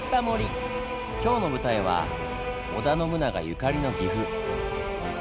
今日の舞台は織田信長ゆかりの岐阜。